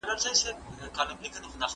په سياست کې د عقل کارول ډېر اړين دي.